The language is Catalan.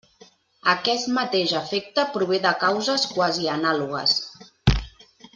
Aquest mateix efecte prové de causes quasi anàlogues.